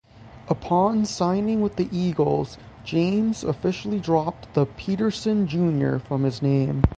Upon signing with the Eagles, James officially dropped the Peterson Junior from his name.